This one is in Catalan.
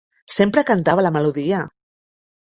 Sempre cantava la melodia.